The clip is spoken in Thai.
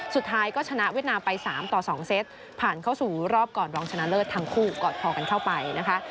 สุดท้ายก็ชนะเวียดนามไป๓ต่อ๒เซตผ่านเข้าสู่รอบก่อนรองชนะเลิศทั้งคู่กอดคอกันเข้าไปนะคะ